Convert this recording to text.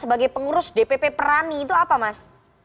sebagai pengurus dpp perani itu apa mas